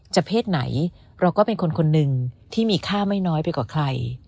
เพศไหนเราก็เป็นคนคนหนึ่งที่มีค่าไม่น้อยไปกว่าใคร